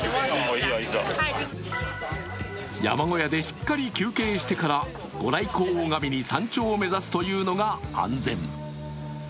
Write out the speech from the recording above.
山小屋でしっかり休憩してから御来光を拝みに山頂を目指すというのが安全。